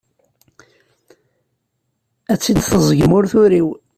Ad tt-id-teẓẓgem ur turiw.